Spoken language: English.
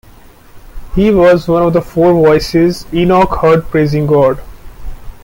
He was one of the four voices Enoch heard praising God.